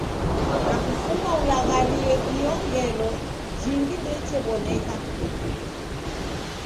Na kufuma ulagharie iyo ngelo jingi ndouchew'oneka.